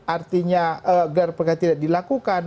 artinya gelar perkara tidak dilakukan